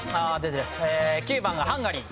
９番がハンガリー。